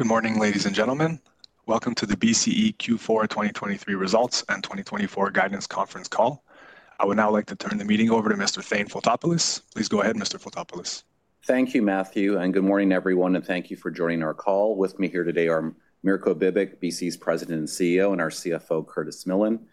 Good morning, ladies and gentlemen. Welcome to the BCE Q4 2023 Results and 2024 Guidance Conference Call. I would now like to turn the meeting over to Mr. Thane Fotopoulos. Please go ahead, Mr. Fotopoulos. Thank you, Matthew, and good morning, everyone, and thank you for joining our call. With me here today are Mirko Bibic, BCE's President and CEO, and our CFO, Curtis Millen.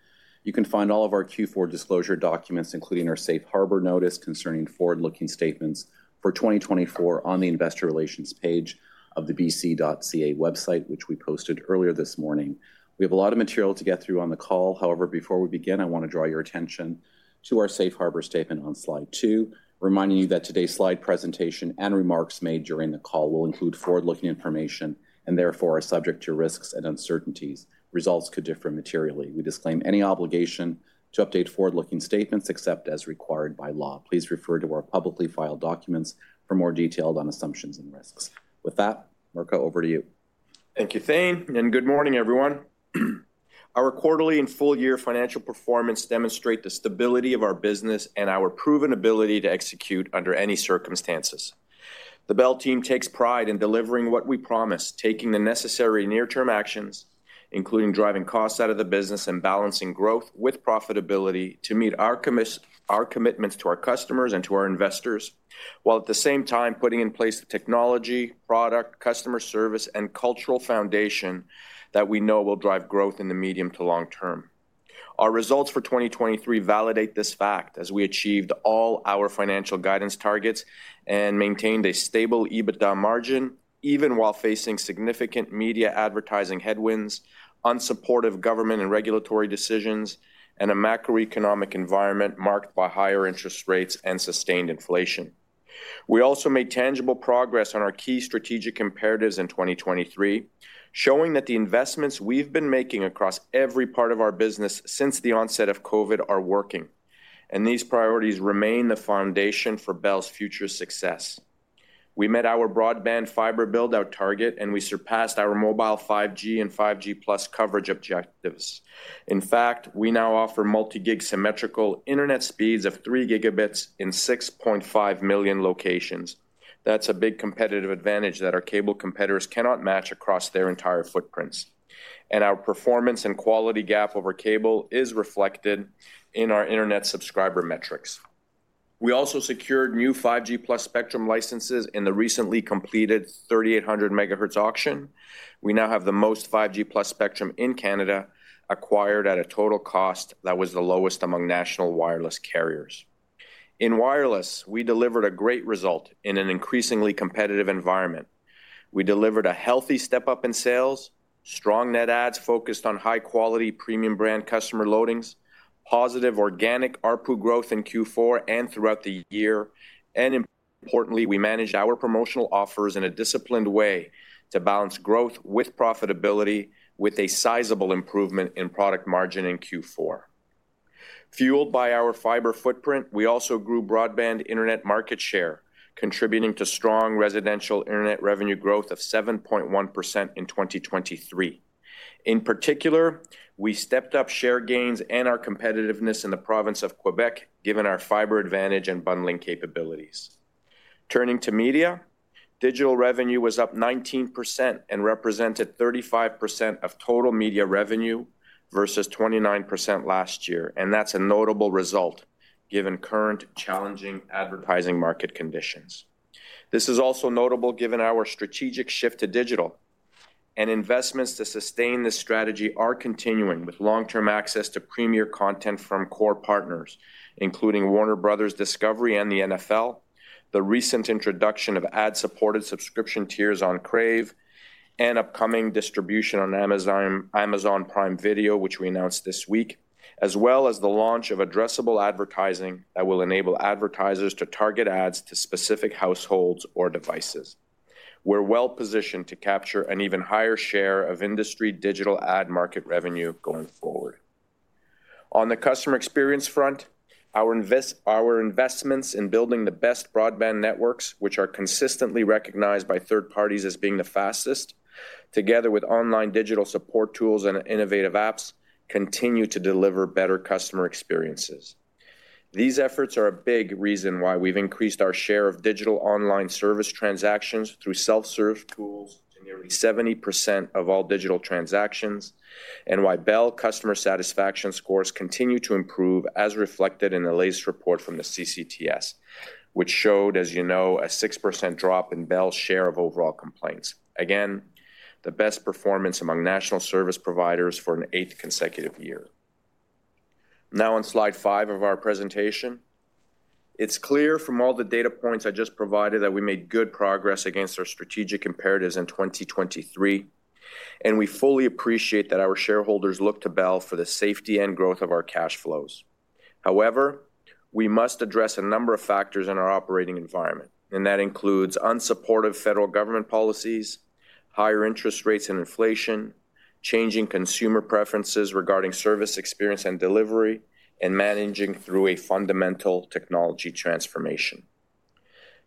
You can find all of our Q4 disclosure documents, including our safe harbor notice concerning forward-looking statements for 2024 on the investor relations page of the bce.ca website, which we posted earlier this morning. We have a lot of material to get through on the call. However, before we begin, I want to draw your attention to our safe harbor statement on slide two, reminding you that today's slide presentation and remarks made during the call will include forward-looking information and therefore are subject to risks and uncertainties. Results could differ materially. We disclaim any obligation to update forward-looking statements except as required by law. Please refer to our publicly filed documents for more details on assumptions and risks. With that, Mirko, over to you. Thank you, Thane, and good morning, everyone. Our quarterly and full-year financial performance demonstrate the stability of our business and our proven ability to execute under any circumstances. The Bell team takes pride in delivering what we promise, taking the necessary near-term actions, including driving costs out of the business and balancing growth with profitability, to meet our commitments to our customers and to our investors, while at the same time putting in place the technology, product, customer service, and cultural foundation that we know will drive growth in the medium to long term. Our results for 2023 validate this fact as we achieved all our financial guidance targets and maintained a stable EBITDA margin, even while facing significant media advertising headwinds, unsupportive government and regulatory decisions, and a macroeconomic environment marked by higher interest rates and sustained inflation. We also made tangible progress on our key strategic imperatives in 2023, showing that the investments we've been making across every part of our business since the onset of COVID are working, and these priorities remain the foundation for Bell's future success. We met our broadband fiber build-out target, and we surpassed our mobile 5G and 5G+ coverage objectives. In fact, we now offer multi-gig symmetrical internet speeds of 3 Gb in 6.5 million locations. That's a big competitive advantage that our cable competitors cannot match across their entire footprints, and our performance and quality gap over cable is reflected in our internet subscriber metrics. We also secured new 5G+ spectrum licenses in the recently completed 3,800 MHz auction. We now have the most 5G+ spectrum in Canada, acquired at a total cost that was the lowest among national wireless carriers. In wireless, we delivered a great result in an increasingly competitive environment. We delivered a healthy step-up in sales, strong net adds focused on high-quality, premium brand customer loadings, positive organic ARPU growth in Q4 and throughout the year, and importantly, we managed our promotional offers in a disciplined way to balance growth with profitability, with a sizable improvement in product margin in Q4. Fueled by our fiber footprint, we also grew broadband internet market share, contributing to strong residential internet revenue growth of 7.1% in 2023. In particular, we stepped up share gains and our competitiveness in the province of Quebec, given our fiber advantage and bundling capabilities. Turning to media, digital revenue was up 19% and represented 35% of total media revenue versus 29% last year, and that's a notable result, given current challenging advertising market conditions. This is also notable given our strategic shift to digital, and investments to sustain this strategy are continuing, with long-term access to premier content from core partners, including Warner Bros. Discovery, and the NFL, the recent introduction of ad-supported subscription tiers on Crave, and upcoming distribution on Amazon Prime Video, which we announced this week, as well as the launch of addressable advertising that will enable advertisers to target ads to specific households or devices. We're well-positioned to capture an even higher share of industry digital ad market revenue going forward. On the customer experience front, our investments in building the best broadband networks, which are consistently recognized by third parties as being the fastest, together with online digital support tools and innovative apps, continue to deliver better customer experiences. These efforts are a big reason why we've increased our share of digital online service transactions through self-serve tools to nearly 70% of all digital transactions, and why Bell customer satisfaction scores continue to improve, as reflected in the latest report from the CCTS, which showed, as you know, a 6% drop in Bell's share of overall complaints. Again, the best performance among national service providers for an eighth consecutive year. Now on slide 5 of our presentation. It's clear from all the data points I just provided that we made good progress against our strategic imperatives in 2023, and we fully appreciate that our shareholders look to Bell for the safety and growth of our cash flows. However, we must address a number of factors in our operating environment, and that includes unsupportive federal government policies, higher interest rates and inflation, changing consumer preferences regarding service experience and delivery, and managing through a fundamental technology transformation.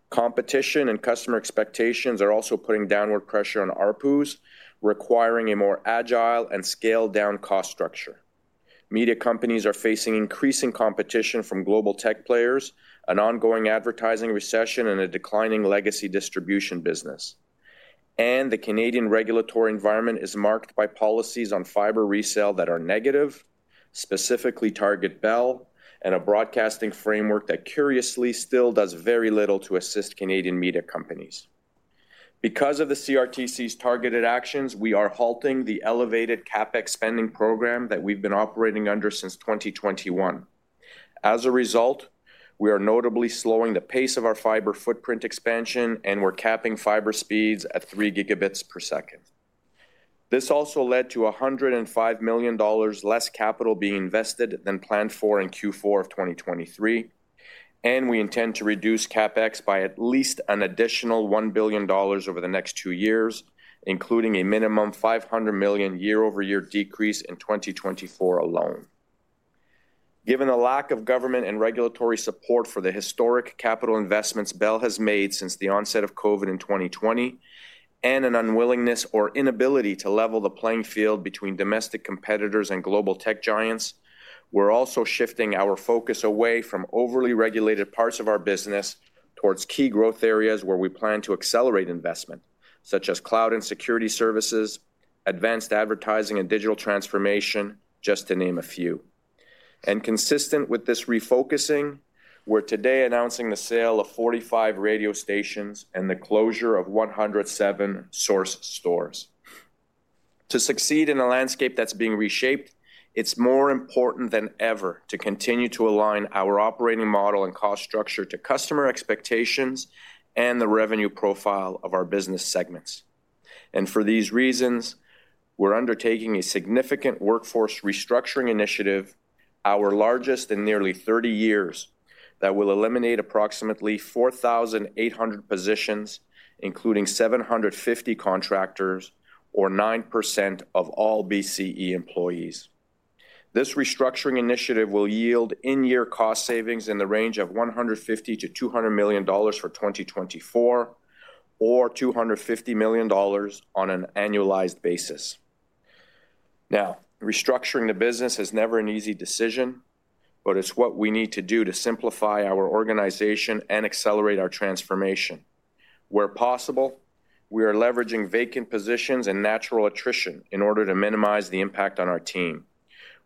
Competition and customer expectations are also putting downward pressure on ARPUs, requiring a more agile and scaled-down cost structure. Media companies are facing increasing competition from global tech players, an ongoing advertising recession, and a declining legacy distribution business. The Canadian regulatory environment is marked by policies on fiber resale that are negative, specifically target Bell, and a broadcasting framework that curiously still does very little to assist Canadian media companies. Because of the CRTC's targeted actions, we are halting the elevated CapEx spending program that we've been operating under since 2021. As a result, we are notably slowing the pace of our fiber footprint expansion, and we're capping fiber speeds at 3 Gbps. This also led to 105 million dollars less capital being invested than planned for in Q4 of 2023, and we intend to reduce CapEx by at least an additional 1 billion dollars over the next two years, including a minimum 500 million year-over-year decrease in 2024 alone. Given the lack of government and regulatory support for the historic capital investments Bell has made since the onset of COVID in 2020, and an unwillingness or inability to level the playing field between domestic competitors and global tech giants, we're also shifting our focus away from overly regulated parts of our business towards key growth areas where we plan to accelerate investment, such as cloud and security services, advanced advertising and digital transformation, just to name a few. Consistent with this refocusing, we're today announcing the sale of 45 radio stations and the closure of 107 Source stores. To succeed in a landscape that's being reshaped, it's more important than ever to continue to align our operating model and cost structure to customer expectations and the revenue profile of our business segments. For these reasons, we're undertaking a significant workforce restructuring initiative, our largest in nearly 30 years, that will eliminate approximately 4,800 positions, including 750 contractors, or 9% of all BCE employees. This restructuring initiative will yield in-year cost savings in the range of 150 million-200 million dollars for 2024, or 250 million dollars on an annualized basis. Now, restructuring the business is never an easy decision, but it's what we need to do to simplify our organization and accelerate our transformation. Where possible, we are leveraging vacant positions and natural attrition in order to minimize the impact on our team.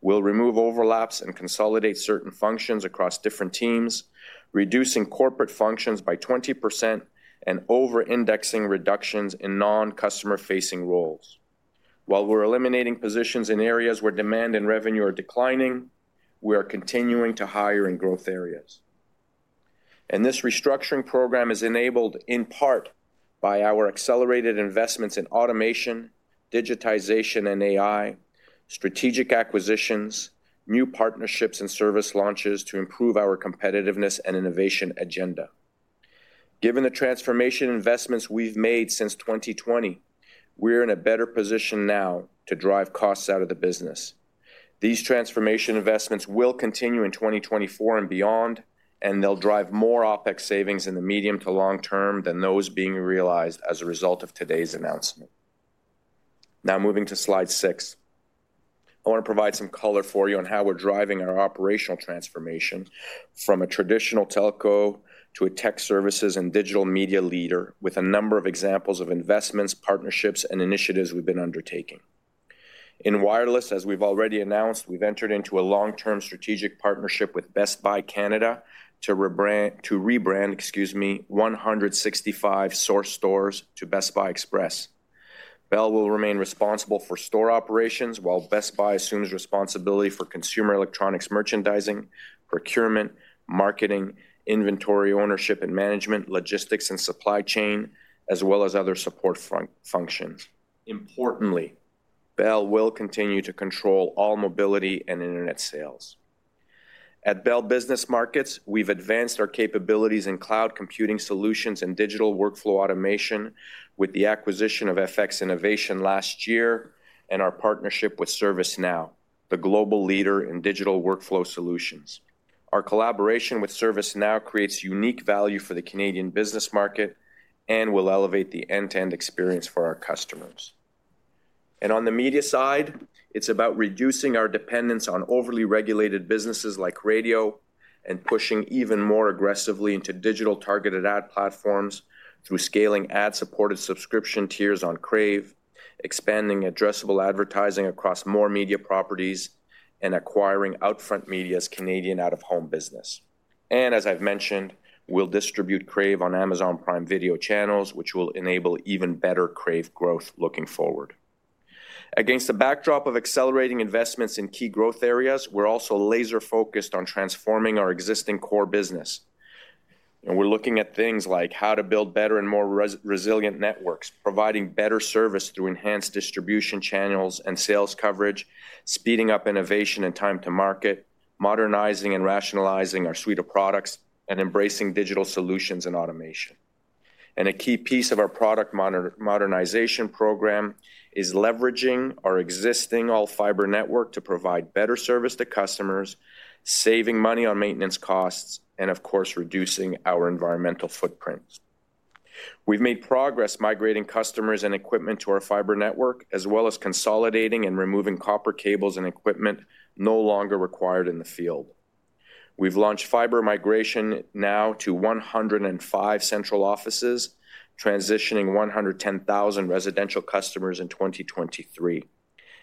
We'll remove overlaps and consolidate certain functions across different teams, reducing corporate functions by 20% and over-indexing reductions in non-customer-facing roles. While we're eliminating positions in areas where demand and revenue are declining, we are continuing to hire in growth areas. This restructuring program is enabled in part by our accelerated investments in automation, digitization, and AI, strategic acquisitions, new partnerships and service launches to improve our competitiveness and innovation agenda. Given the transformation investments we've made since 2020, we're in a better position now to drive costs out of the business. These transformation investments will continue in 2024 and beyond, and they'll drive more OpEx savings in the medium to long term than those being realized as a result of today's announcement. Now, moving to slide six. I want to provide some color for you on how we're driving our operational transformation from a traditional telco to a tech services and digital media leader, with a number of examples of investments, partnerships, and initiatives we've been undertaking. In wireless, as we've already announced, we've entered into a long-term strategic partnership with Best Buy Canada to rebrand, excuse me, 165 Source stores to Best Buy Express. Bell will remain responsible for store operations, while Best Buy assumes responsibility for consumer electronics, merchandising, procurement, marketing, inventory, ownership and management, logistics and supply chain, as well as other support functions. Importantly, Bell will continue to control all mobility and internet sales. At Bell Business Markets, we've advanced our capabilities in cloud computing solutions and digital workflow automation with the acquisition of FX Innovation last year and our partnership with ServiceNow, the global leader in digital workflow solutions. Our collaboration with ServiceNow creates unique value for the Canadian business market and will elevate the end-to-end experience for our customers. On the media side, it's about reducing our dependence on overly regulated businesses like radio and pushing even more aggressively into digital targeted ad platforms through scaling ad-supported subscription tiers on Crave, expanding addressable advertising across more media properties, and acquiring OUTFRONT Media's Canadian out-of-home business. As I've mentioned, we'll distribute Crave on Amazon Prime Video channels, which will enable even better Crave growth looking forward. Against the backdrop of accelerating investments in key growth areas, we're also laser-focused on transforming our existing core business. We're looking at things like how to build better and more resilient networks, providing better service through enhanced distribution channels and sales coverage, speeding up innovation and time to market, modernizing and rationalizing our suite of products, and embracing digital solutions and automation. A key piece of our product modernization program is leveraging our existing all-fiber network to provide better service to customers, saving money on maintenance costs, and of course, reducing our environmental footprint... We've made progress migrating customers and equipment to our fiber network, as well as consolidating and removing copper cables and equipment no longer required in the field. We've launched fiber migration now to 105 central offices, transitioning 110,000 residential customers in 2023.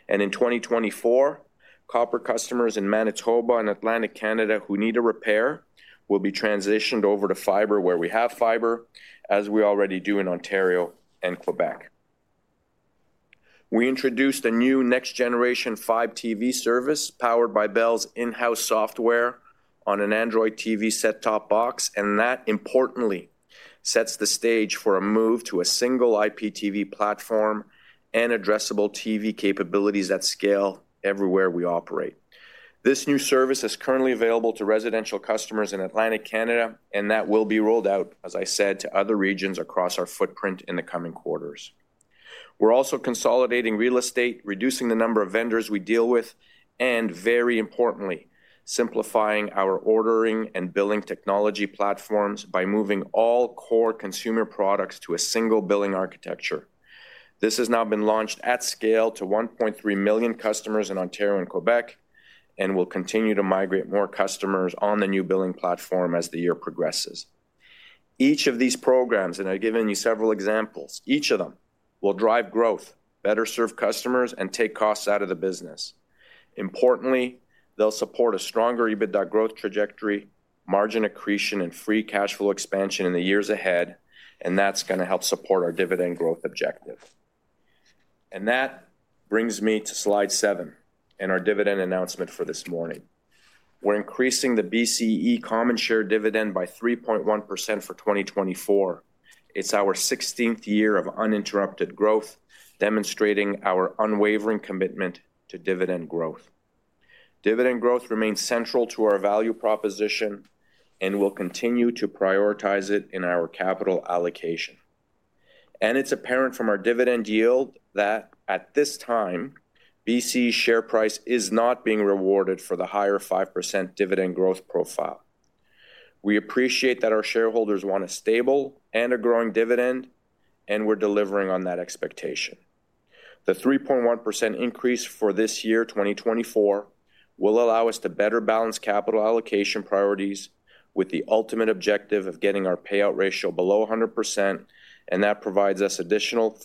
In 2024, copper customers in Manitoba and Atlantic Canada who need a repair will be transitioned over to fiber, where we have fiber, as we already do in Ontario and Quebec. We introduced a new next-generation Fibe TV service, powered by Bell's in-house software on an Android TV set-top box, and that importantly sets the stage for a move to a single IPTV platform and addressable TV capabilities at scale everywhere we operate. This new service is currently available to residential customers in Atlantic Canada, and that will be rolled out, as I said, to other regions across our footprint in the coming quarters. We're also consolidating real estate, reducing the number of vendors we deal with, and very importantly, simplifying our ordering and billing technology platforms by moving all core consumer products to a single billing architecture. This has now been launched at scale to 1.3 million customers in Ontario and Quebec, and we'll continue to migrate more customers on the new billing platform as the year progresses. Each of these programs, and I've given you several examples, each of them will drive growth, better serve customers, and take costs out of the business. Importantly, they'll support a stronger EBITDA growth trajectory, margin accretion, and free cash flow expansion in the years ahead, and that's going to help support our dividend growth objective. That brings me to slide seven and our dividend announcement for this morning. We're increasing the BCE common share dividend by 3.1% for 2024. It's our sixteenth year of uninterrupted growth, demonstrating our unwavering commitment to dividend growth. Dividend growth remains central to our value proposition and we'll continue to prioritize it in our capital allocation. It's apparent from our dividend yield that at this time, BCE share price is not being rewarded for the higher 5% dividend growth profile. We appreciate that our shareholders want a stable and a growing dividend, and we're delivering on that expectation. The 3.1% increase for this year, 2024, will allow us to better balance capital allocation priorities with the ultimate objective of getting our payout ratio below 100%, and that provides us additional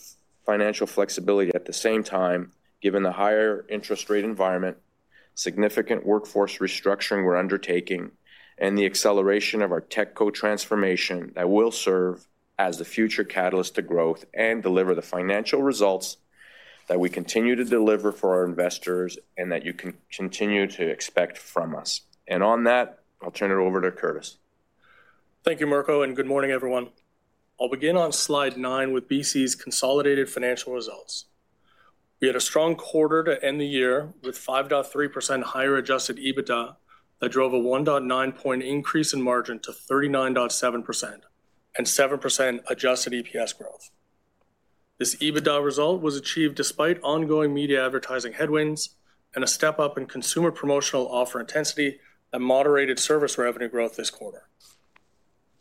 financial flexibility. At the same time, given the higher interest rate environment, significant workforce restructuring we're undertaking, and the acceleration of our tech-co transformation that will serve as the future catalyst to growth and deliver the financial results that we continue to deliver for our investors and that you can continue to expect from us. On that, I'll turn it over to Curtis. Thank you, Mirko, and good morning, everyone. I'll begin on slide nine with BCE's consolidated financial results. We had a strong quarter to end the year, with 5.3% higher adjusted EBITDA that drove a 1.9% increase in margin to 39.7% and 7% adjusted EPS growth. This EBITDA result was achieved despite ongoing media advertising headwinds and a step-up in consumer promotional offer intensity that moderated service revenue growth this quarter.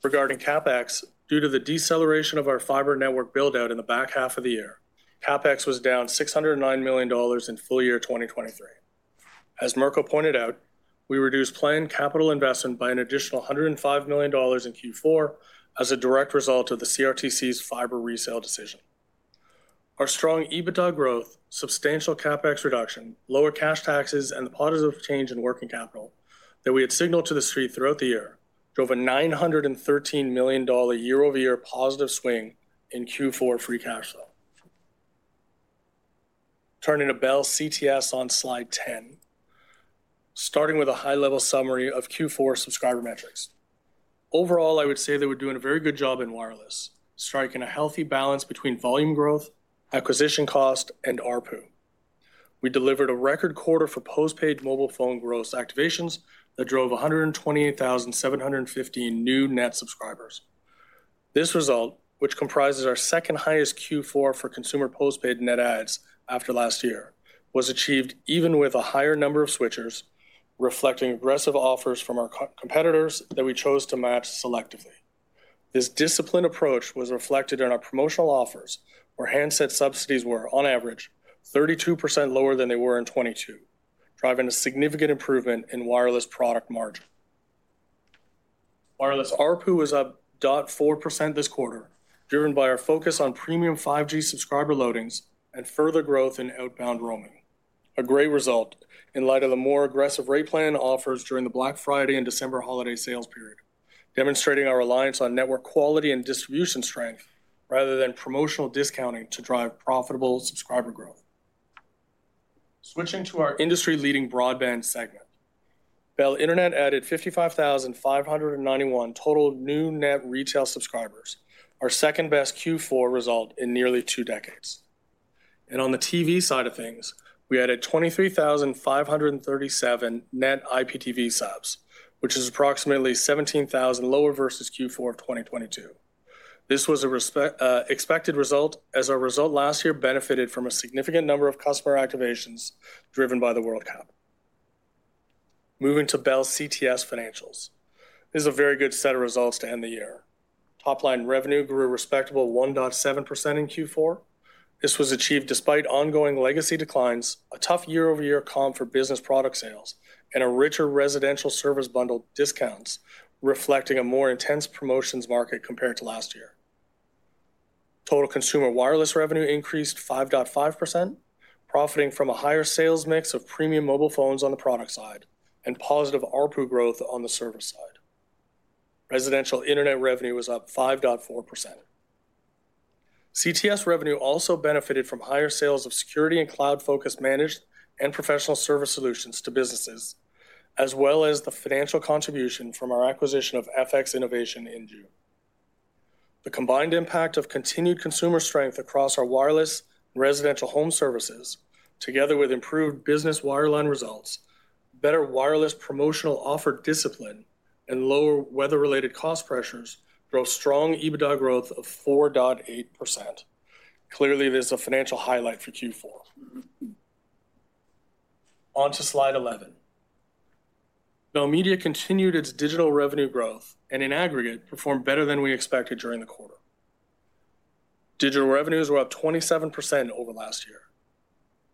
Regarding CapEx, due to the deceleration of our fiber network build-out in the back half of the year, CapEx was down 609 million dollars in full year 2023. As Mirko pointed out, we reduced planned capital investment by an additional 105 million dollars in Q4 as a direct result of the CRTC's fiber resale decision. Our strong EBITDA growth, substantial CapEx reduction, lower cash taxes, and the positive change in working capital that we had signaled to the Street throughout the year, drove a 913 million dollar year-over-year positive swing in Q4 free cash flow. Turning to Bell CTS on slide 10. Starting with a high-level summary of Q4 subscriber metrics. Overall, I would say that we're doing a very good job in wireless, striking a healthy balance between volume growth, acquisition cost, and ARPU. We delivered a record quarter for postpaid mobile phone gross activations that drove 128,715 new net subscribers. This result, which comprises our second highest Q4 for consumer postpaid net adds after last year, was achieved even with a higher number of switchers, reflecting aggressive offers from core competitors that we chose to match selectively. This disciplined approach was reflected in our promotional offers, where handset subsidies were, on average, 32% lower than they were in 2022, driving a significant improvement in wireless product margin. Wireless ARPU was up 0.4% this quarter, driven by our focus on premium 5G subscriber loadings and further growth in outbound roaming. A great result in light of the more aggressive rate plan offers during the Black Friday and December holiday sales period, demonstrating our reliance on network quality and distribution strength rather than promotional discounting to drive profitable subscriber growth. Switching to our industry-leading broadband segment, Bell Internet added 55,591 total new net retail subscribers, our second-best Q4 result in nearly two decades. On the TV side of things, we added 23,537 net IPTV subs, which is approximately 17,000 lower versus Q4 of 2022. This was an expected result, as our result last year benefited from a significant number of customer activations driven by the World Cup. Moving to Bell CTS financials. This is a very good set of results to end the year. Top line revenue grew a respectable 1.7% in Q4. This was achieved despite ongoing legacy declines, a tough year-over-year comp for business product sales, and a richer residential service bundle discounts, reflecting a more intense promotions market compared to last year. Total consumer wireless revenue increased 5.5%, profiting from a higher sales mix of premium mobile phones on the product side, and positive ARPU growth on the service side. Residential internet revenue was up 5.4%. CTS revenue also benefited from higher sales of security and cloud-focused managed and professional service solutions to businesses, as well as the financial contribution from our acquisition of FX Innovation in June. The combined impact of continued consumer strength across our wireless residential home services, together with improved business wireline results, better wireless promotional offer discipline, and lower weather-related cost pressures, drove strong EBITDA growth of 4.8%. Clearly, this is a financial highlight for Q4. On to slide 11. Bell Media continued its digital revenue growth, and in aggregate, performed better than we expected during the quarter. Digital revenues were up 27% over last year.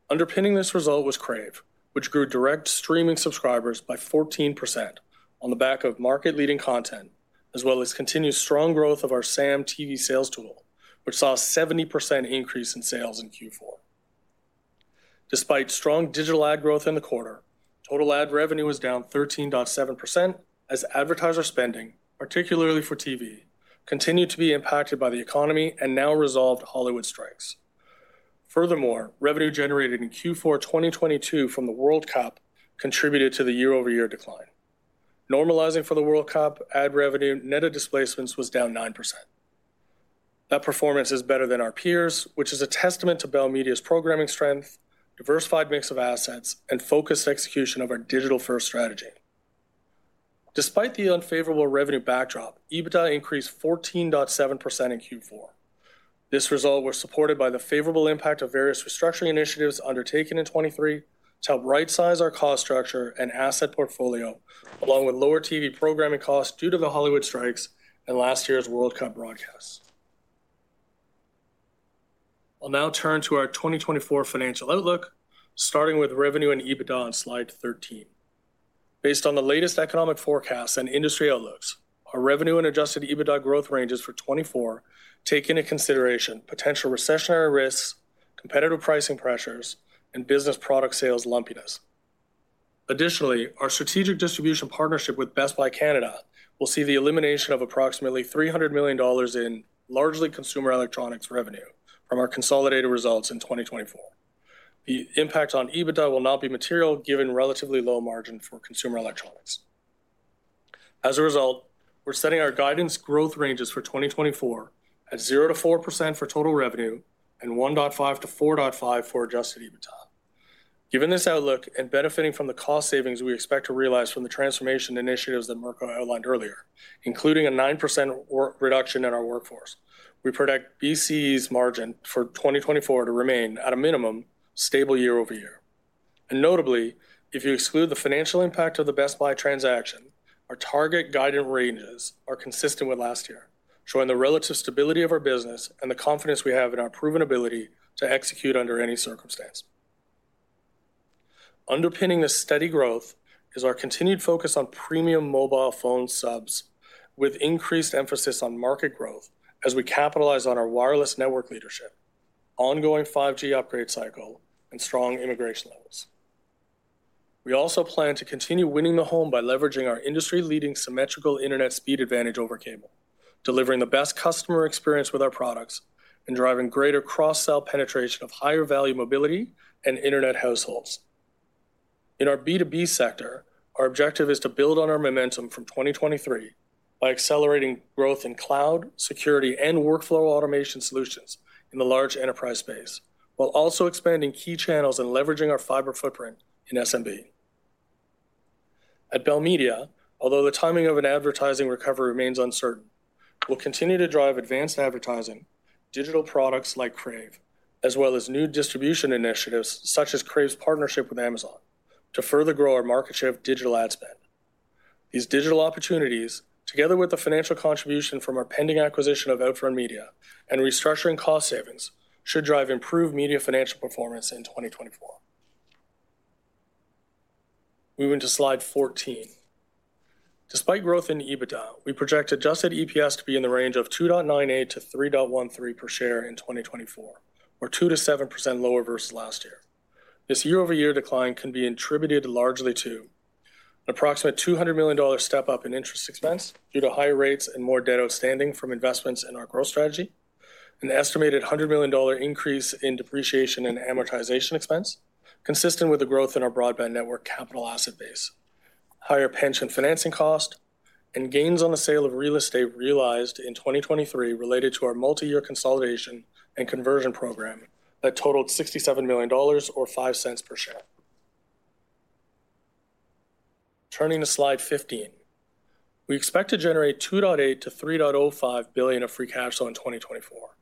Underpinning this result was Crave, which grew direct streaming subscribers by 14% on the back of market-leading content, as well as continued strong growth of our SAM TV sales tool, which saw a 70% increase in sales in Q4. Despite strong digital ad growth in the quarter, total ad revenue was down 13.7% as advertiser spending, particularly for TV, continued to be impacted by the economy and now resolved Hollywood strikes. Furthermore, revenue generated in Q4 2022 from the World Cup contributed to the year-over-year decline. Normalizing for the World Cup, ad revenue, net of displacements, was down 9%. That performance is better than our peers, which is a testament to Bell Media's programming strength, diversified mix of assets, and focused execution of our digital-first strategy. Despite the unfavorable revenue backdrop, EBITDA increased 14.7% in Q4. This result was supported by the favorable impact of various restructuring initiatives undertaken in 2023 to help rightsize our cost structure and asset portfolio, along with lower TV programming costs due to the Hollywood strikes and last year's World Cup broadcast. I'll now turn to our 2024 financial outlook, starting with revenue and EBITDA on slide 13. Based on the latest economic forecasts and industry outlooks, our revenue and adjusted EBITDA growth ranges for 2024 take into consideration potential recessionary risks, competitive pricing pressures, and business product sales lumpiness. Additionally, our strategic distribution partnership with Best Buy Canada will see the elimination of approximately 300 million dollars in largely consumer electronics revenue from our consolidated results in 2024. The impact on EBITDA will not be material, given relatively low margin for consumer electronics. As a result, we're setting our guidance growth ranges for 2024 at 0%-4% for total revenue and 1.5-4.5 for adjusted EBITDA. Given this outlook and benefiting from the cost savings we expect to realize from the transformation initiatives that Mirko outlined earlier, including a 9% workforce reduction, we predict BCE's margin for 2024 to remain, at a minimum, stable year-over-year. And notably, if you exclude the financial impact of the Best Buy transaction, our target guidance ranges are consistent with last year, showing the relative stability of our business and the confidence we have in our proven ability to execute under any circumstance. Underpinning this steady growth is our continued focus on premium mobile phone subs, with increased emphasis on market growth as we capitalize on our wireless network leadership, ongoing 5G upgrade cycle, and strong integration levels. We also plan to continue winning the home by leveraging our industry-leading symmetrical internet speed advantage over cable, delivering the best customer experience with our products, and driving greater cross-sell penetration of higher-value mobility and internet households. In our B2B sector, our objective is to build on our momentum from 2023 by accelerating growth in cloud, security, and workflow automation solutions in the large enterprise space, while also expanding key channels and leveraging our fiber footprint in SMB. At Bell Media, although the timing of an advertising recovery remains uncertain, we'll continue to drive advanced advertising, digital products like Crave, as well as new distribution initiatives, such as Crave's partnership with Amazon, to further grow our market share of digital ad spend. These digital opportunities, together with the financial contribution from our pending acquisition of OUTFRONT Media and restructuring cost savings, should drive improved media financial performance in 2024. Moving to slide 14. Despite growth in EBITDA, we project adjusted EPS to be in the range of 2.98-3.13 per share in 2024, or 2%-7% lower versus last year. This year-over-year decline can be attributed largely to an approximate 200 million dollars step-up in interest expense due to higher rates and more debt outstanding from investments in our growth strategy, an estimated 100 million dollar increase in depreciation and amortization expense, consistent with the growth in our broadband network capital asset base, higher pension financing cost, and gains on the sale of real estate realized in 2023 related to our multi-year consolidation and conversion program that totaled 67 million dollars or 0.05 per share. Turning to slide 15. We expect to generate 2.8 billion-3.05 billion of free cash flow in 2024.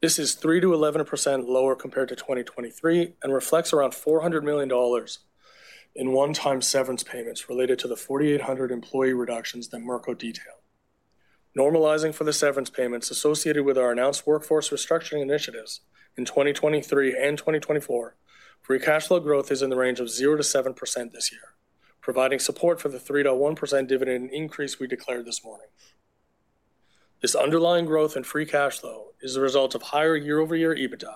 This is 3%-11% lower compared to 2023, and reflects around 400 million dollars in one-time severance payments related to the 4,800 employee reductions that Mirko detailed. Normalizing for the severance payments associated with our announced workforce restructuring initiatives in 2023 and 2024, free cash flow growth is in the range of 0%-7% this year, providing support for the 3.1% dividend increase we declared this morning. This underlying growth in free cash flow is a result of higher year-over-year EBITDA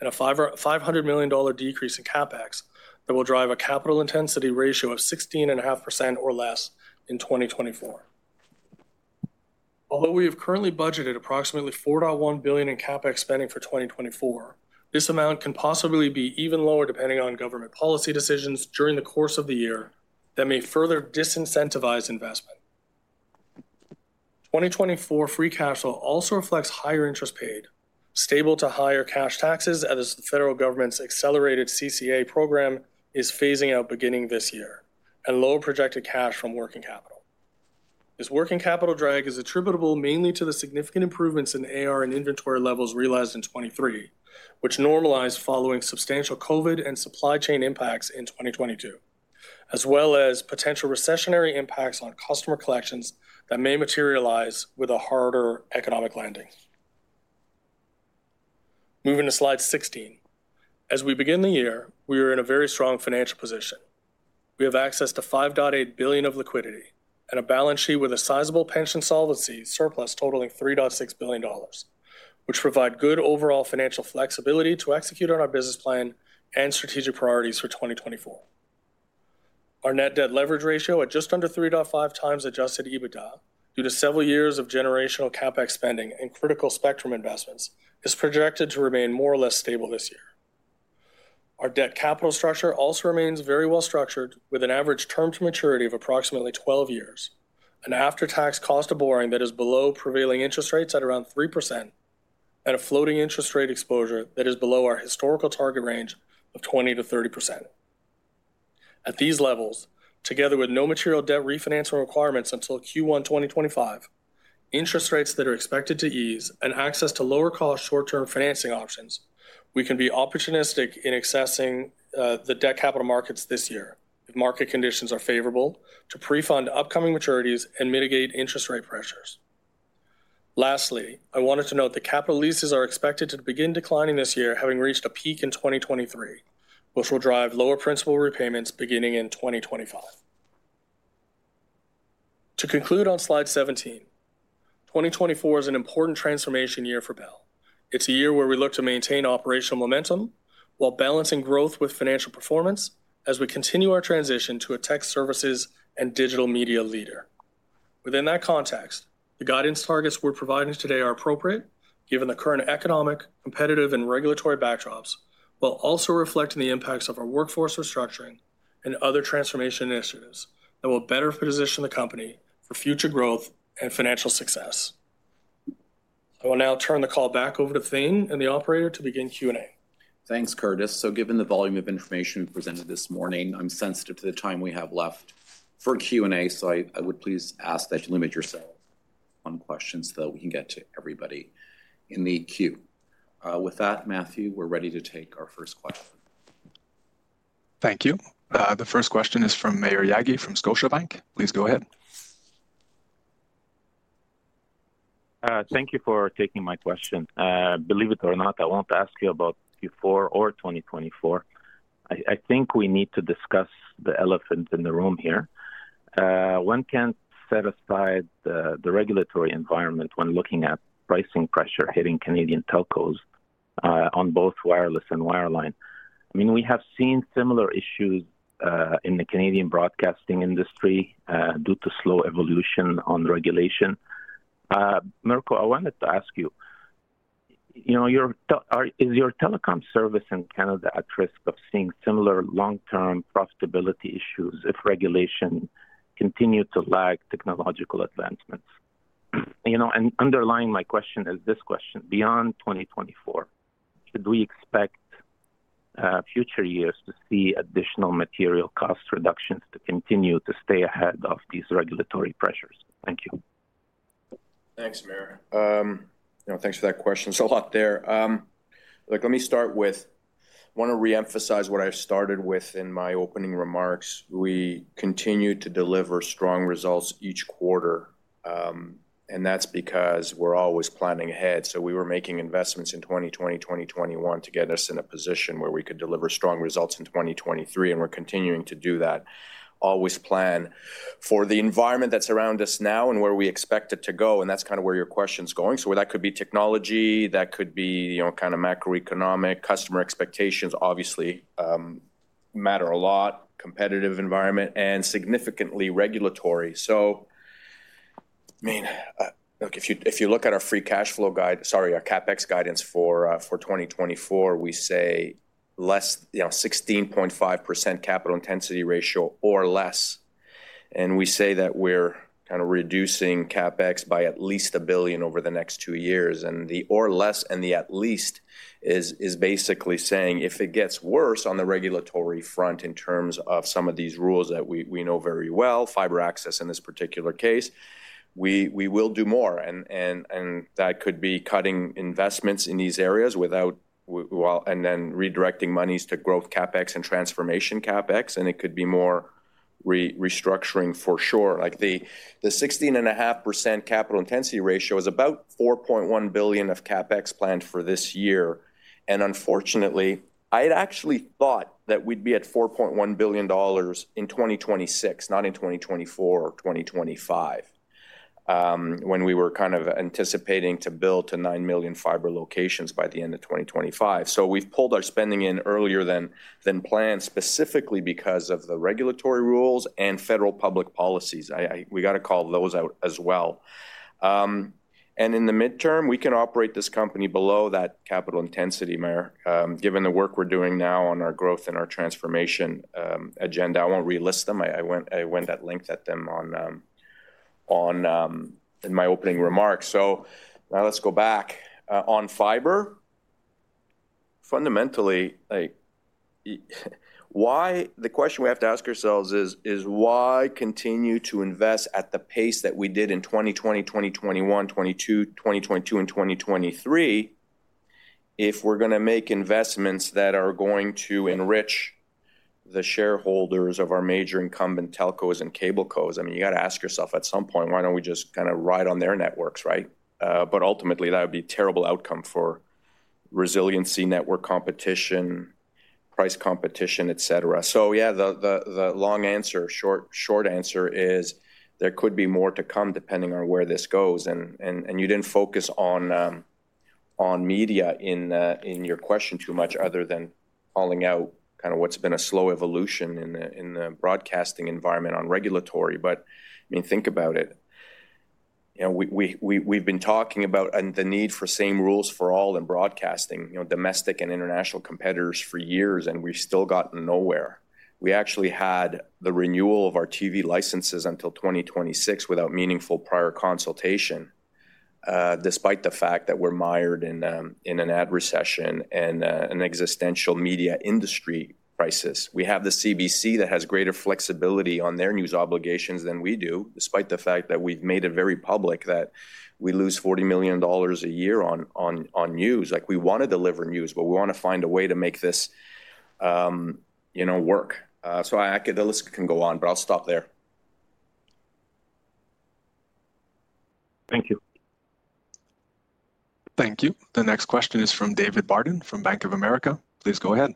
and a 500 million dollar decrease in CapEx that will drive a capital intensity ratio of 16.5% or less in 2024. Although we have currently budgeted approximately 4.1 billion dollar in CapEx spending for 2024, this amount can possibly be even lower, depending on government policy decisions during the course of the year that may further disincentivize investment. 2024 free cash flow also reflects higher interest paid, stable to higher cash taxes, as the federal government's accelerated CCA program is phasing out beginning this year, and lower projected cash from working capital. This working capital drag is attributable mainly to the significant improvements in AR and inventory levels realized in 2023, which normalized following substantial COVID and supply chain impacts in 2022, as well as potential recessionary impacts on customer collections that may materialize with a harder economic landing. Moving to slide 16. As we begin the year, we are in a very strong financial position. We have access to 5.8 billion of liquidity and a balance sheet with a sizable pension solvency surplus totaling 3.6 billion dollars, which provide good overall financial flexibility to execute on our business plan and strategic priorities for 2024. Our net debt leverage ratio at just under 3.5x adjusted EBITDA, due to several years of generational CapEx spending and critical spectrum investments, is projected to remain more or less stable this year. Our debt capital structure also remains very well-structured, with an average term to maturity of approximately 12 years, an after-tax cost of borrowing that is below prevailing interest rates at around 3%, and a floating interest rate exposure that is below our historical target range of 20%-30%. At these levels, together with no material debt refinancing requirements until Q1 2025, interest rates that are expected to ease, and access to lower-cost short-term financing options, we can be opportunistic in accessing the debt capital markets this year if market conditions are favorable to pre-fund upcoming maturities and mitigate interest rate pressures. Lastly, I wanted to note that capital leases are expected to begin declining this year, having reached a peak in 2023, which will drive lower principal repayments beginning in 2025. To conclude on slide 17, 2024 is an important transformation year for Bell. It's a year where we look to maintain operational momentum while balancing growth with financial performance as we continue our transition to a tech services and digital media leader. Within that context, the guidance targets we're providing today are appropriate, given the current economic, competitive, and regulatory backdrops, while also reflecting the impacts of our workforce restructuring and other transformation initiatives that will better position the company for future growth and financial success. I will now turn the call back over to Thane and the operator to begin Q&A. Thanks, Curtis. So given the volume of information we presented this morning, I'm sensitive to the time we have left for Q&A. So I, I would please ask that you limit yourself on questions so that we can get to everybody in the queue. With that, Matthew, we're ready to take our first question. Thank you. The first question is from Maher Yaghi from Scotiabank. Please go ahead. Thank you for taking my question. Believe it or not, I won't ask you about Q4 or 2024. I think we need to discuss the elephant in the room here. One can't set aside the regulatory environment when looking at pricing pressure hitting Canadian telcos on both wireless and wireline. I mean, we have seen similar issues in the Canadian broadcasting industry due to slow evolution on regulation. Mirko, I wanted to ask you, you know, is your telecom service in Canada at risk of seeing similar long-term profitability issues if regulation continue to lag technological advancements? You know, and underlying my question is this question: Beyond 2024, should we expect future years to see additional material cost reductions to continue to stay ahead of these regulatory pressures? Thank you. Thanks, Maher. You know, thanks for that question. It's a lot there. Look, let me start with... I wanna reemphasize what I started with in my opening remarks. We continue to deliver strong results each quarter, and that's because we're always planning ahead. So we were making investments in 2020, 2021, to get us in a position where we could deliver strong results in 2023, and we're continuing to do that. Always plan for the environment that's around us now and where we expect it to go, and that's kind of where your question's going. So where that could be technology, that could be, you know, kind of macroeconomic. Customer expectations, obviously, matter a lot, competitive environment, and significantly regulatory. So, I mean, look, if you, if you look at our free cash flow guide—sorry, our CapEx guidance for, for 2024, we say- ... less, you know, 16.5% capital intensity ratio or less. And we say that we're kind of reducing CapEx by at least 1 billion over the next two years, and the "or less," and the "at least" is basically saying, if it gets worse on the regulatory front in terms of some of these rules that we know very well, fiber access, in this particular case, we will do more. And that could be cutting investments in these areas without well, and then redirecting monies to growth CapEx and transformation CapEx, and it could be more restructuring for sure. Like, the 16.5% capital intensity ratio is about 4.1 billion of CapEx planned for this year. Unfortunately, I'd actually thought that we'd be at 4.1 billion dollars in 2026, not in 2024 or 2025, when we were kind of anticipating to build to nine million fiber locations by the end of 2025. We've pulled our spending in earlier than planned, specifically because of the regulatory rules and federal public policies. We got to call those out as well. In the midterm, we can operate this company below that capital intensity, Maher, given the work we're doing now on our growth and our transformation agenda. I won't relist them. I went at length at them on in my opening remarks. Now let's go back on fiber. Fundamentally, like, why... The question we have to ask ourselves is why continue to invest at the pace that we did in 2020, 2021, 2022, and 2023, if we're gonna make investments that are going to enrich the shareholders of our major incumbent telcos and cablecos? I mean, you got to ask yourself at some point, why don't we just kind of ride on their networks, right? But ultimately, that would be a terrible outcome for resiliency, network competition, price competition, et cetera. So yeah, the long answer... short, short answer is there could be more to come, depending on where this goes. And you didn't focus on media in your question too much, other than calling out kind of what's been a slow evolution in the broadcasting environment on regulatory. But, I mean, think about it. You know, we've been talking about the need for same rules for all in broadcasting, you know, domestic and international competitors for years, and we've still gotten nowhere. We actually had the renewal of our TV licenses until 2026 without meaningful prior consultation, despite the fact that we're mired in an ad recession and an existential media industry crisis. We have the CBC that has greater flexibility on their news obligations than we do, despite the fact that we've made it very public that we lose 40 million dollars a year on news. Like, we want to deliver news, but we want to find a way to make this, you know, work. So the list can go on, but I'll stop there. Thank you. Thank you. The next question is from David Barden, from Bank of America. Please go ahead.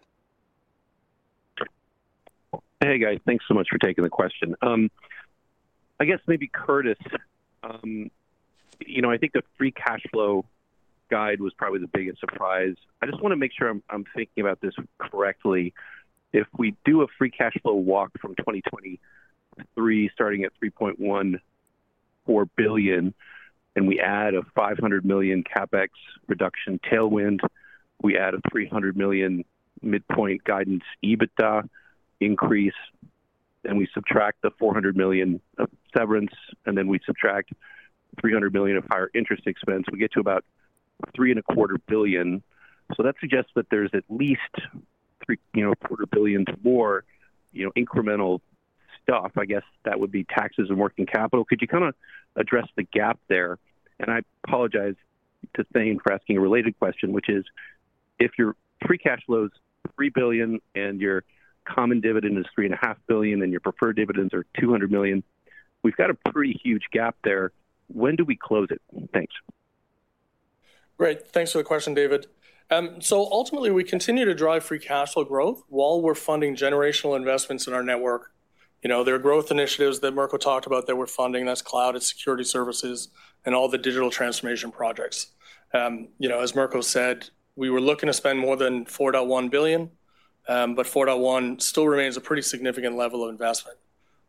Hey, guys. Thanks so much for taking the question. I guess maybe, Curtis, you know, I think the free cash flow guide was probably the biggest surprise. I just want to make sure I'm thinking about this correctly. If we do a free cash flow walk from 2023, starting at 3.14 billion, and we add a 500 million CapEx reduction tailwind, we add a 300 million midpoint guidance EBITDA increase, then we subtract the 400 million of severance, and then we subtract 300 million of higher interest expense, we get to about 3.25 billion. So that suggests that there's at least three-quarter billion more, you know, incremental stuff. I guess that would be taxes and working capital. Could you kind of address the gap there? I apologize to Thane for asking a related question, which is: if your free cash flow is 3 billion and your common dividend is 3.5 billion, and your preferred dividends are 200 million, we've got a pretty huge gap there. When do we close it? Thanks. Great. Thanks for the question, David. So ultimately, we continue to drive free cash flow growth while we're funding generational investments in our network. You know, there are growth initiatives that Mirko talked about that we're funding, that's cloud and security services and all the digital transformation projects. You know, as Mirko said, we were looking to spend more than 4.1 billion, but four point one still remains a pretty significant level of investment.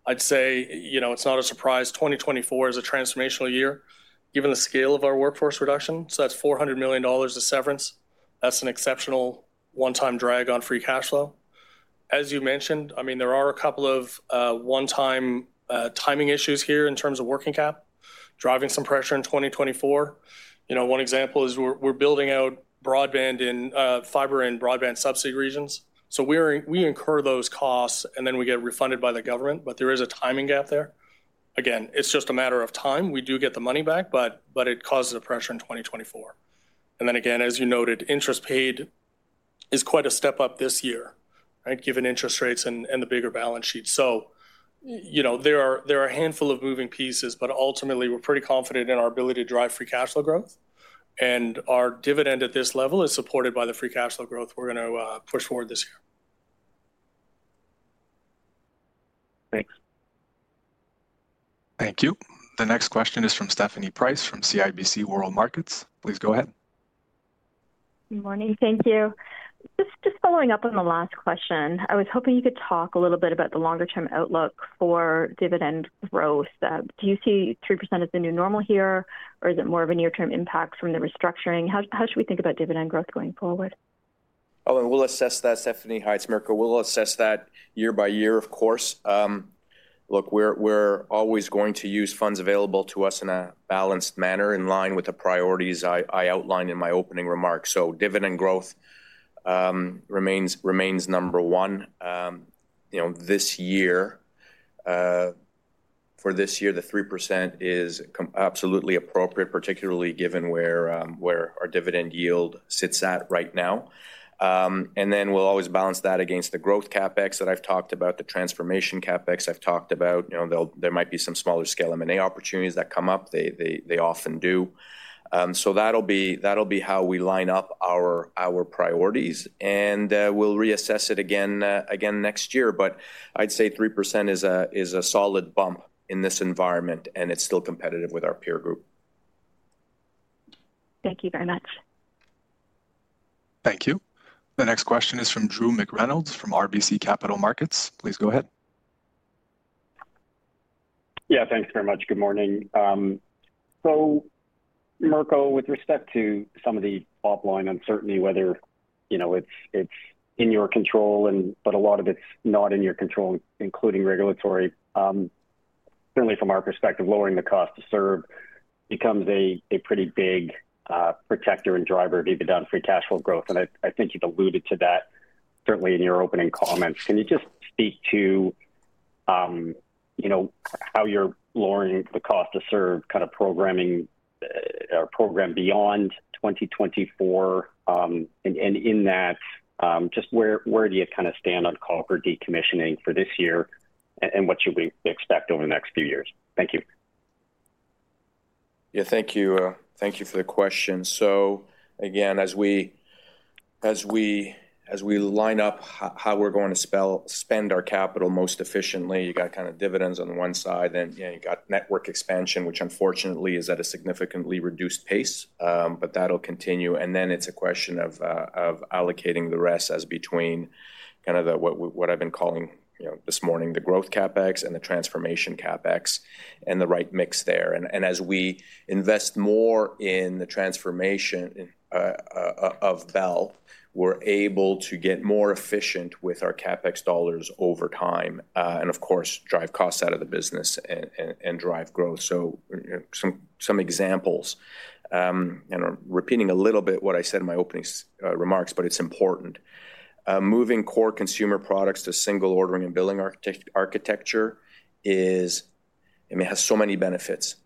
I'd say, you know, it's not a surprise, 2024 is a transformational year, given the scale of our workforce reduction. So that's 400 million dollars of severance. That's an exceptional one-time drag on free cash flow. As you mentioned, I mean, there are a couple of one-time timing issues here in terms of working cap, driving some pressure in 2024. You know, one example is we're, we're building out broadband in fiber and broadband subsidy regions. So we're, we incur those costs, and then we get refunded by the government, but there is a timing gap there. Again, it's just a matter of time. We do get the money back, but, but it causes a pressure in 2024. And then again, as you noted, interest paid is quite a step up this year, right? Given interest rates and, and the bigger balance sheet. So, you know, there are, there are a handful of moving pieces, but ultimately, we're pretty confident in our ability to drive free cash flow growth. And our dividend at this level is supported by the free cash flow growth we're gonna push forward this year. Thanks. Thank you. The next question is from Stephanie Price, from CIBC World Markets. Please go ahead. Good morning. Thank you. Just following up on the last question, I was hoping you could talk a little bit about the longer-term outlook for dividend growth. Do you see 3% as the new normal here, or is it more of a near-term impact from the restructuring? How should we think about dividend growth going forward?... Oh, and we'll assess that, Stephanie. Hi, it's Mirko. We'll assess that year by year, of course. Look, we're always going to use funds available to us in a balanced manner, in line with the priorities I outlined in my opening remarks. So dividend growth remains number one. You know, this year, for this year, the 3% is absolutely appropriate, particularly given where our dividend yield sits at right now. And then we'll always balance that against the growth CapEx that I've talked about, the transformation CapEx I've talked about. You know, there might be some smaller scale M&A opportunities that come up. They often do. So that'll be how we line up our priorities, and we'll reassess it again next year. But I'd say 3% is a solid bump in this environment, and it's still competitive with our peer group. Thank you very much. Thank you. The next question is from Drew McReynolds, from RBC Capital Markets. Please go ahead. Yeah, thanks very much. Good morning. So Mirko, with respect to some of the offline uncertainty, whether, you know, it's in your control and but a lot of it's not in your control, including regulatory. Certainly from our perspective, lowering the cost to serve becomes a pretty big protector and driver of EBITDA and free cash flow growth, and I think you've alluded to that certainly in your opening comments. Can you just speak to, you know, how you're lowering the cost to serve kind of programming or program beyond 2024? And in that, just where do you kind of stand on copper decommissioning for this year, and what should we expect over the next few years? Thank you. Yeah, thank you. Thank you for the question. So again, as we line up how we're going to spend our capital most efficiently, you got kind of dividends on the one side, and, you know, you got network expansion, which unfortunately is at a significantly reduced pace, but that'll continue. And then it's a question of allocating the rest as between kind of the... what I've been calling, you know, this morning, the growth CapEx and the transformation CapEx, and the right mix there. And as we invest more in the transformation of Bell, we're able to get more efficient with our CapEx dollars over time, and of course, drive costs out of the business and drive growth. So, you know, some examples, and I'm repeating a little bit what I said in my opening remarks, but it's important. Moving core consumer products to single ordering and billing architecture is... I mean, it has so many benefits: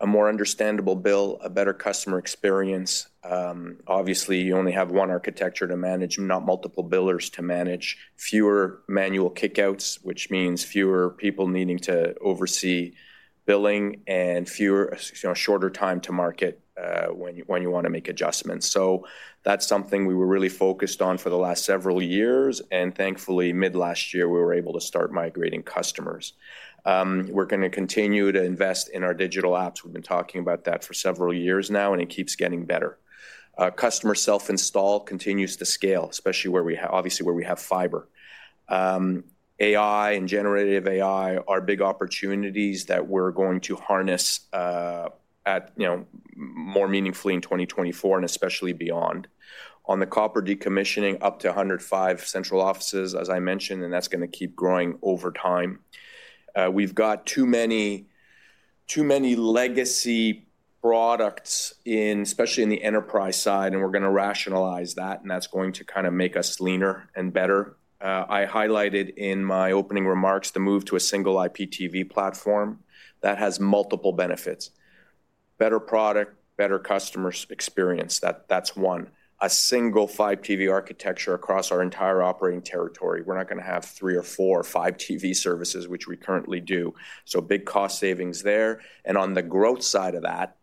a more understandable bill, a better customer experience. Obviously, you only have one architecture to manage, not multiple billers to manage. Fewer manual kickouts, which means fewer people needing to oversee billing and fewer, you know, shorter time to market, when you, when you want to make adjustments. So that's something we were really focused on for the last several years, and thankfully, mid-last year, we were able to start migrating customers. We're gonna continue to invest in our digital apps. We've been talking about that for several years now, and it keeps getting better. Customer self-install continues to scale, especially where we have—obviously, where we have fiber. AI and generative AI are big opportunities that we're going to harness, you know, more meaningfully in 2024, and especially beyond. On the copper decommissioning, up to 105 central offices, as I mentioned, and that's gonna keep growing over time. We've got too many, too many legacy products in—especially in the enterprise side, and we're gonna rationalize that, and that's going to kind of make us leaner and better. I highlighted in my opening remarks the move to a single IPTV platform that has multiple benefits: better product, better customer experience. That's one. A single Fibe TV architecture across our entire operating territory. We're not gonna have three or four Fibe TV services, which we currently do, so big cost savings there. And on the growth side of that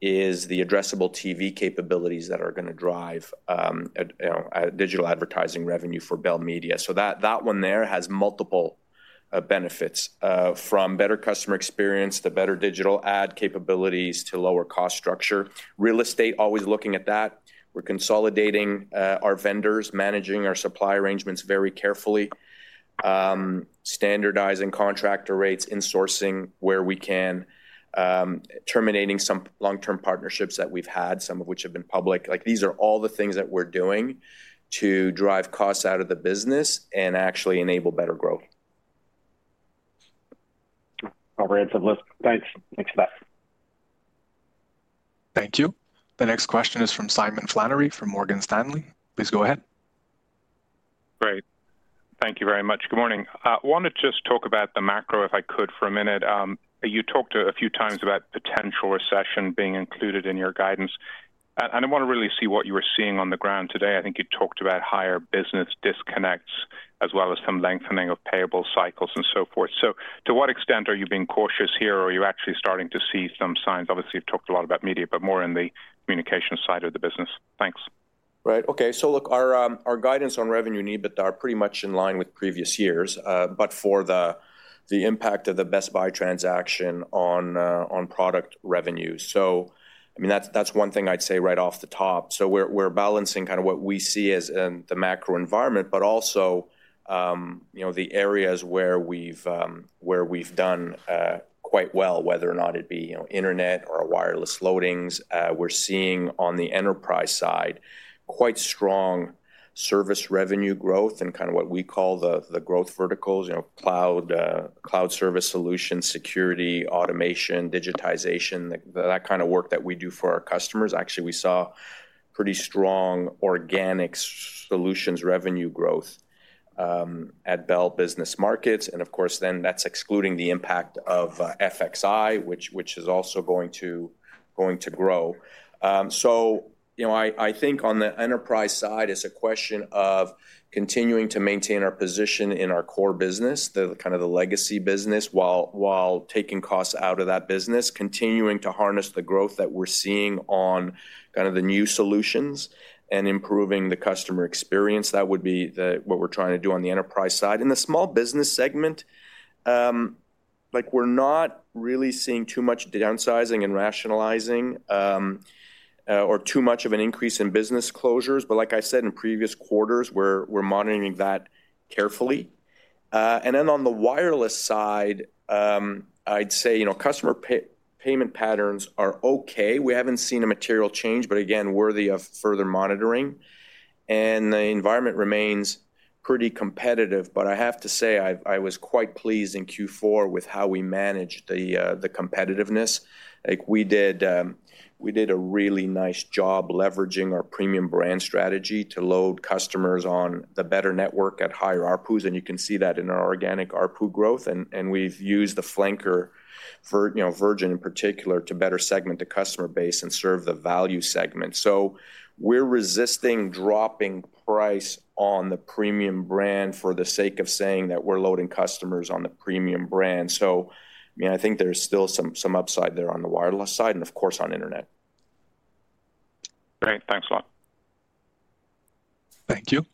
is the addressable TV capabilities that are gonna drive digital advertising revenue for Bell Media. So that, that one there has multiple benefits from better customer experience to better digital ad capabilities to lower cost structure. Real estate, always looking at that. We're consolidating our vendors, managing our supply arrangements very carefully, standardizing contractor rates, insourcing where we can, terminating some long-term partnerships that we've had, some of which have been public. Like, these are all the things that we're doing to drive costs out of the business and actually enable better growth. Comprehensive list. Thanks. Thanks for that. Thank you. The next question is from Simon Flannery, from Morgan Stanley. Please go ahead. Great. Thank you very much. Good morning. I want to just talk about the macro, if I could, for a minute. You talked a few times about potential recession being included in your guidance, and, and I want to really see what you are seeing on the ground today. I think you talked about higher business disconnects, as well as some lengthening of payable cycles and so forth. So to what extent are you being cautious here, or are you actually starting to see some signs? Obviously, you've talked a lot about media, but more in the communication side of the business. Thanks.... Right. Okay, so look, our guidance on revenue growth, but are pretty much in line with previous years, but for the impact of the Best Buy transaction on product revenue. So, I mean, that's one thing I'd say right off the top. So we're balancing kind of what we see as the macro environment, but also, you know, the areas where we've done quite well, whether or not it'd be, you know, internet or wireless loadings. We're seeing on the enterprise side, quite strong service revenue growth and kind of what we call the growth verticals, you know, cloud, cloud service solution, security, automation, digitization, that kind of work that we do for our customers. Actually, we saw pretty strong organic solutions revenue growth at Bell Business Markets, and of course, then that's excluding the impact of FXi, which is also going to grow. So, you know, I think on the enterprise side, it's a question of continuing to maintain our position in our core business, kind of the legacy business, while taking costs out of that business, continuing to harness the growth that we're seeing on kind of the new solutions and improving the customer experience. That would be what we're trying to do on the enterprise side. In the small business segment, like, we're not really seeing too much downsizing and rationalizing or too much of an increase in business closures. But like I said, in previous quarters, we're monitoring that carefully. And then on the wireless side, I'd say, you know, customer payment patterns are okay. We haven't seen a material change, but again, worthy of further monitoring. And the environment remains pretty competitive, but I have to say, I was quite pleased in Q4 with how we managed the competitiveness. Like, we did a really nice job leveraging our premium brand strategy to load customers on the better network at higher ARPUs, and you can see that in our organic ARPU growth, and we've used the flanker for, you know, Virgin in particular, to better segment the customer base and serve the value segment. So we're resisting dropping price on the premium brand for the sake of saying that we're loading customers on the premium brand. So, I mean, I think there's still some upside there on the wireless side and, of course, on internet. Great. Thanks a lot. Thank you.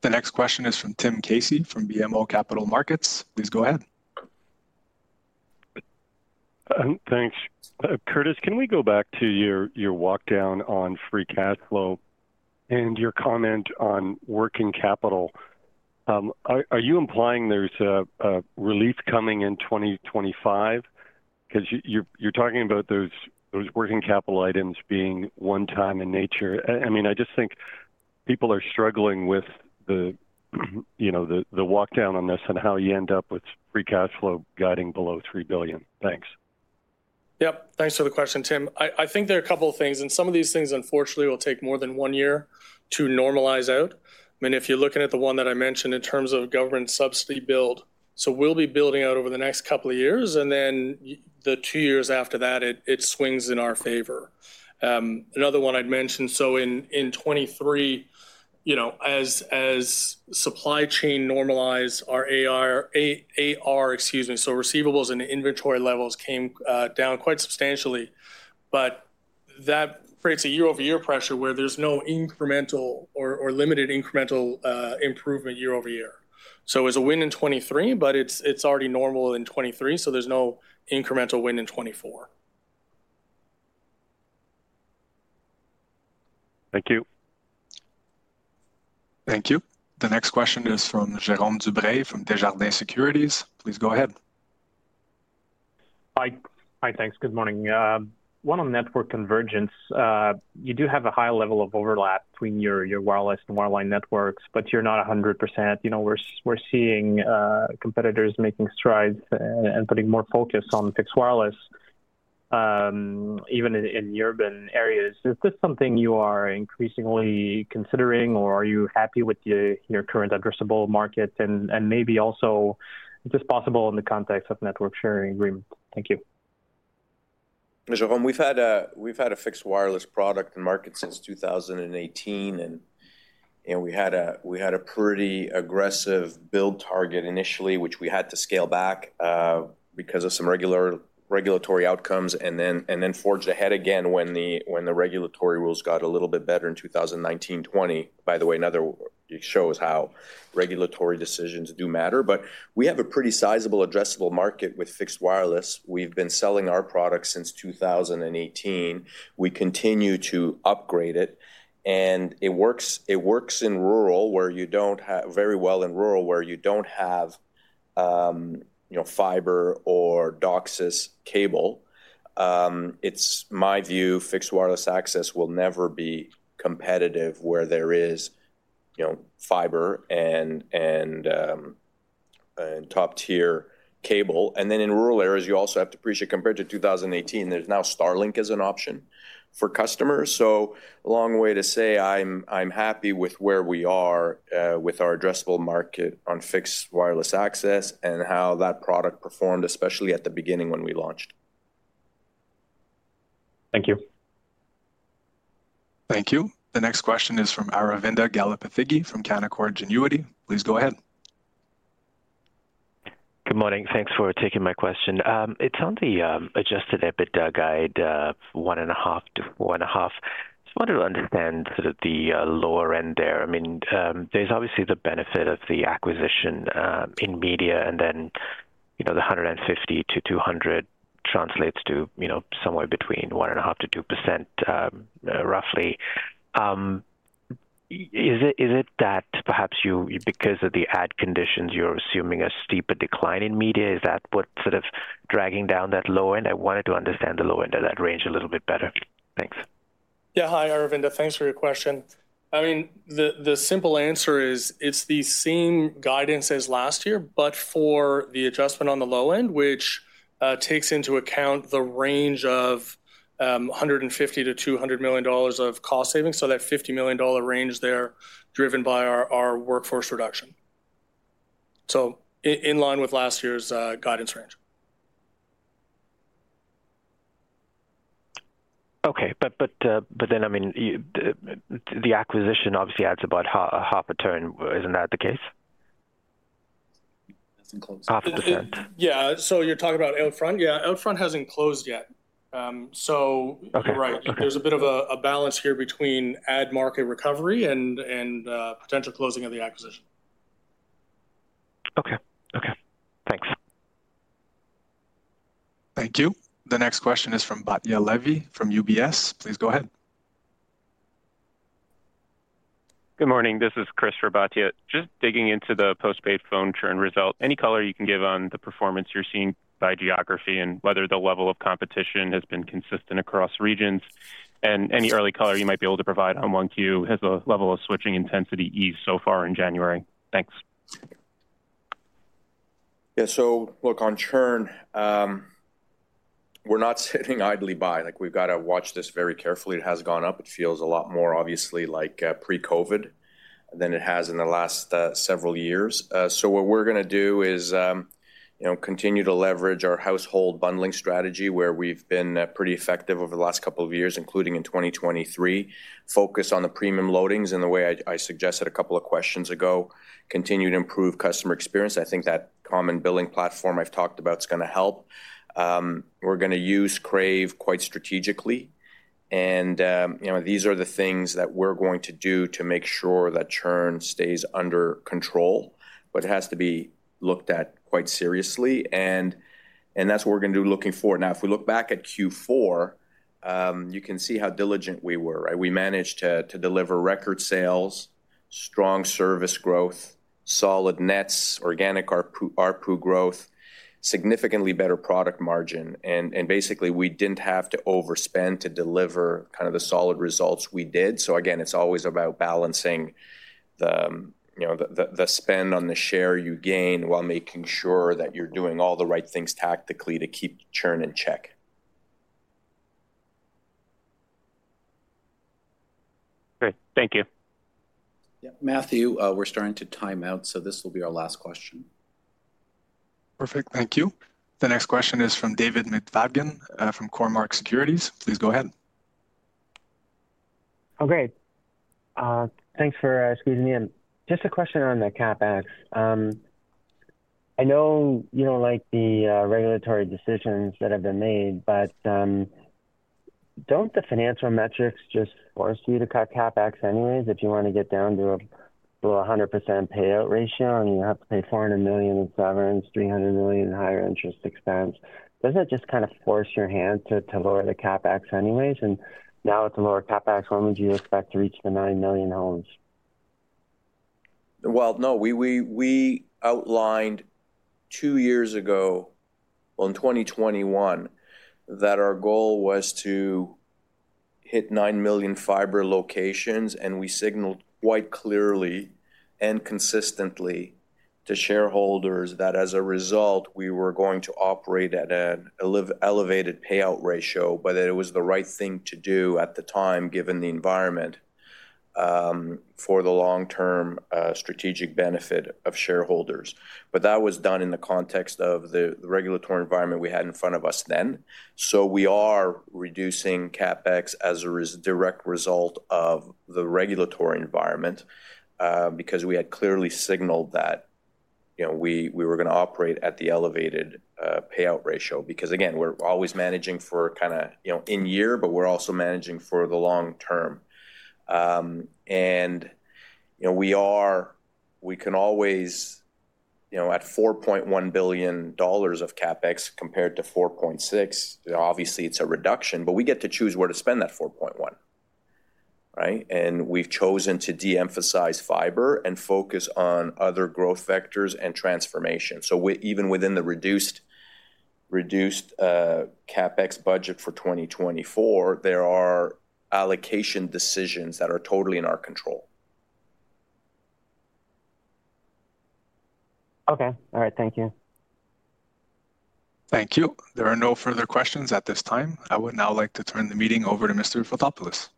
The next question is from Tim Casey from BMO Capital Markets. Please go ahead. Thanks. Curtis, can we go back to your walk down on free cash flow and your comment on working capital? Are you implying there's a relief coming in 2025? 'Cause you're talking about those working capital items being one time in nature. I mean, I just think people are struggling with the, you know, the walk down on this and how you end up with free cash flow guiding below 3 billion. Thanks. Yep. Thanks for the question, Tim. I think there are a couple of things, and some of these things unfortunately will take more than one year to normalize out. I mean, if you're looking at the one that I mentioned in terms of government subsidy build, so we'll be building out over the next couple of years, and then the two years after that, it swings in our favor. Another one I'd mention, so in 2023, you know, as supply chain normalized, our receivables and inventory levels came down quite substantially, but that creates a year-over-year pressure where there's no incremental or limited incremental improvement year-over-year. So it was a win in 2023, but it's already normal in 2023, so there's no incremental win in 2024. Thank you. Thank you. The next question is from Jerome Dubreuil from Desjardins Securities. Please go ahead. Hi. Hi, thanks. Good morning. One on network convergence. You do have a high level of overlap between your wireless and wireline networks, but you're not 100%. You know, we're seeing competitors making strides and putting more focus on fixed wireless, even in urban areas. Is this something you are increasingly considering, or are you happy with your current addressable market? And maybe also, is this possible in the context of network sharing agreement? Thank you. Jerome, we've had a fixed wireless product in market since 2018, and we had a pretty aggressive build target initially, which we had to scale back because of some regulatory outcomes, and then forge ahead again when the regulatory rules got a little bit better in 2019, 2020. By the way, another—it shows how regulatory decisions do matter. But we have a pretty sizable addressable market with fixed wireless. We've been selling our products since 2018. We continue to upgrade it, and it works very well in rural, where you don't have, you know, fiber or DOCSIS cable. It's my view, fixed wireless access will never be competitive where there is, you know, fiber and top-tier cable. And then in rural areas, you also have to appreciate, compared to 2018, there's now Starlink as an option for customers. So a long way to say I'm happy with where we are with our addressable market on fixed wireless access and how that product performed, especially at the beginning when we launched. Thank you. Thank you. The next question is from Aravinda Galappathige from Canaccord Genuity. Please go ahead.... Good morning. Thanks for taking my question. It's on the adjusted EBITDA guide, 1.5-4.5. Just wanted to understand sort of the lower end there. I mean, there's obviously the benefit of the acquisition in media, and then, you know, the 150-200 translates to, you know, somewhere between 1.5%-2%, roughly. Is it, is it that perhaps you, because of the ad conditions, you're assuming a steeper decline in media? Is that what sort of dragging down that low end? I wanted to understand the low end of that range a little bit better. Thanks. Yeah. Hi, Aravinda. Thanks for your question. I mean, the simple answer is, it's the same guidance as last year, but for the adjustment on the low end, which takes into account the range of 150 million-200 million dollars of cost savings, so that 50 million dollar range there driven by our workforce reduction. So in line with last year's guidance range. Okay. But then, I mean, you... The acquisition obviously adds about half a turn. Isn't that the case? That's in close. OUTFRONT. Yeah. So you're talking about OUTFRONT? Yeah, OUTFRONT hasn't closed yet. So- Okay. You're right. There's a bit of a balance here between ad market recovery and potential closing of the acquisition. Okay. Okay, thanks. Thank you. The next question is from Batya Levi from UBS. Please go ahead. Good morning. This is Chris for Batya. Just digging into the postpaid phone churn result, any color you can give on the performance you're seeing by geography and whether the level of competition has been consistent across regions? Any early color you might be able to provide on 1Q as the level of switching intensity eased so far in January. Thanks. Yeah. So look, on churn, we're not sitting idly by. Like, we've got to watch this very carefully. It has gone up. It feels a lot more obviously like pre-COVID than it has in the last several years. So what we're gonna do is, you know, continue to leverage our household bundling strategy, where we've been pretty effective over the last couple of years, including in 2023. Focus on the premium loadings in the way I suggested a couple of questions ago, continue to improve customer experience. I think that common billing platform I've talked about is gonna help. We're gonna use Crave quite strategically, and, you know, these are the things that we're going to do to make sure that churn stays under control, but it has to be looked at quite seriously, and, and that's what we're gonna do looking forward. Now, if we look back at Q4, you can see how diligent we were, right? We managed to deliver record sales, strong service growth, solid nets, organic ARPU, ARPU growth, significantly better product margin, and, and basically, we didn't have to overspend to deliver kind of the solid results we did. So again, it's always about balancing the, you know, the spend on the share you gain, while making sure that you're doing all the right things tactically to keep churn in check. Great. Thank you. Yeah. Matthew, we're starting to time out, so this will be our last question. Perfect. Thank you. The next question is from David McFadgen, from Cormark Securities. Please go ahead. Okay. Thanks for squeezing me in. Just a question on the CapEx. I know you don't like the regulatory decisions that have been made, but don't the financial metrics just force you to cut CapEx anyways if you want to get down to a 100% payout ratio, and you have to pay 400 million in severance, 300 million in higher interest expense? Doesn't it just kind of force your hand to lower the CapEx anyways, and now with the lower CapEx, when would you expect to reach the 9 million homes? Well, no. We outlined two years ago, well, in 2021, that our goal was to hit 9 million fiber locations, and we signaled quite clearly and consistently to shareholders that as a result, we were going to operate at an elevated payout ratio. But it was the right thing to do at the time, given the environment, for the long-term strategic benefit of shareholders. But that was done in the context of the regulatory environment we had in front of us then. So we are reducing CapEx as a direct result of the regulatory environment, because we had clearly signaled that, you know, we were gonna operate at the elevated payout ratio. Because, again, we're always managing for kinda, you know, in year, but we're also managing for the long term. And, you know, we can always... You know, at 4.1 billion dollars of CapEx compared to 4.6 billion, obviously it's a reduction, but we get to choose where to spend that 4.1 billion, right? And we've chosen to de-emphasize fiber and focus on other growth vectors and transformation. So even within the reduced CapEx budget for 2024, there are allocation decisions that are totally in our control. Okay. All right, thank you. Thank you. There are no further questions at this time. I would now like to turn the meeting over to Mr. Fotopoulos.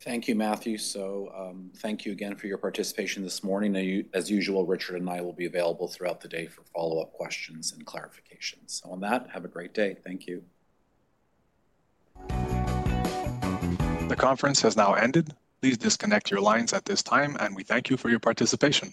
Thank you, Matthew. So, thank you again for your participation this morning. As usual, Richard and I will be available throughout the day for follow-up questions and clarifications. So, on that, have a great day. Thank you. The conference has now ended. Please disconnect your lines at this time, and we thank you for your participation.